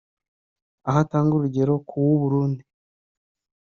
aho atanga urugero ku w’u Burundi